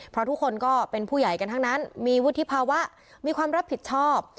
เพราะทุกคนก็เป็นผู้ใหญ่กันทั้งนั้นมีวุฒิภาวะมีความรับผิดชอบ